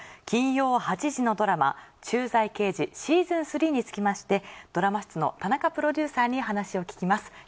金曜８時のドラマ『駐在刑事Ｓｅａｓｏｎ３』につきましてドラマ室の田中プロデューサーに話を聞きます。